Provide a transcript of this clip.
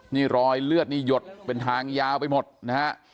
นี่รอยเลือดนี่หยดเป็นทางยาวไปหมดนะฮะ